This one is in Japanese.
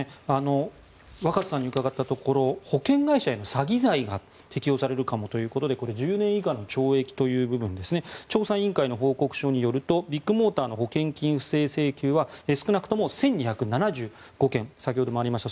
若狭さんに伺ったところ保険会社への詐欺罪が適用されるかもということで１０年以下の懲役という部分です調査委員会の報告書によるとビッグモーターの保険金不正請求は少なくとも１２７５件先ほどもありました